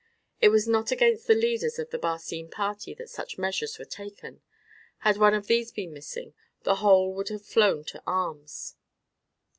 It was not against the leaders of the Barcine party that such measures were taken. Had one of these been missing the whole would have flown to arms.